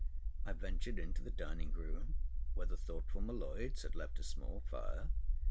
I ventured into the dining room where the thoughtful M'Leod's had left a small fire.